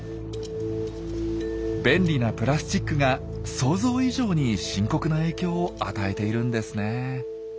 便利なプラスチックが想像以上に深刻な影響を与えているんですね。